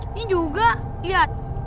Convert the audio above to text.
ini juga lihat